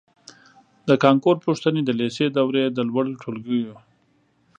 د کانکور پوښتنې د لېسې دورې د لوړو ټولګیو